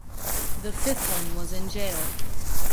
The fifth one was in jail.